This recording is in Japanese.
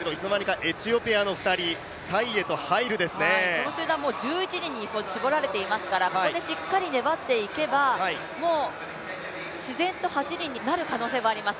この集団、もう１１人に絞られていますから、ここでしっかり粘っていけばもう自然と８人になる可能性があります。